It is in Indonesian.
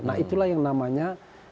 nah itulah yang namanya